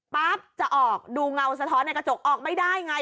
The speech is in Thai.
จะออกดูเงาสะท้อนในกระจกออกไม่ได้ไง